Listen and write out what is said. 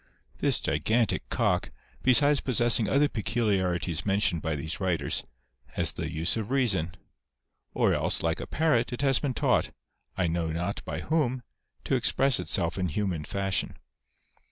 This gigantic cock, besides possessing other peculiarities mentioned by these writers, has the use of reason ; or else, like a parrot, it has been taught, I know not by whom, to express itself in human fashion.